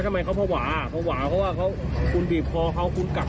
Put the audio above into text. คุณกลับทางเขามาในห้องเหรอ